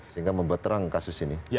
sehingga membuat terang kasus ini